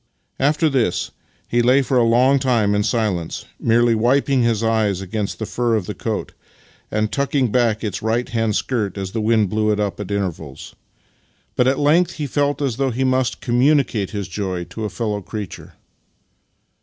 After this he lay for a long time in silence, merely wiping his eyes against the fur of the coat, and tucking back its right hand skirt as the wind blew it up at intervals; but at length he felt as though he must communicate his joy to a fellow creature.